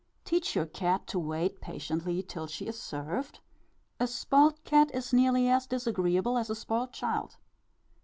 Teach your cat to wait patiently till she is served a spoiled cat is nearly as disagreeable as a spoiled child.